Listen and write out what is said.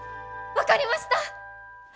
分かりました！